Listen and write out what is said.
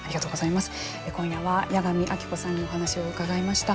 今夜は、矢上晶子さんにお話を伺いました。